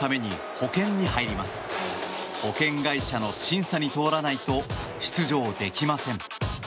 保険会社の審査に通らないと出場できません。